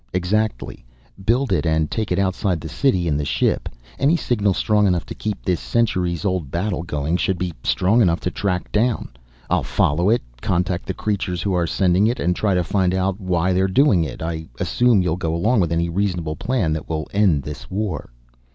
"Exactly. Build it and take it outside the city in the ship. Any signal strong enough to keep this centuries old battle going should be strong enough to track down. I'll follow it, contact the creatures who are sending it, and try to find out why they are doing it. I assume you'll go along with any reasonable plan that will end this war?"